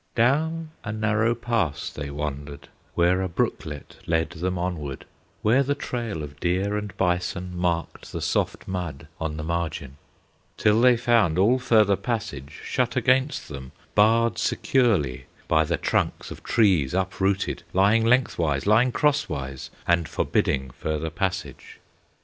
Down a narrow pass they wandered, Where a brooklet led them onward, Where the trail of deer and bison Marked the soft mud on the margin, Till they found all further passage Shut against them, barred securely By the trunks of trees uprooted, Lying lengthwise, lying crosswise, And forbidding further passage.